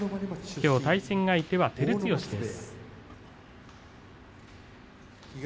きょう対戦相手は照強です。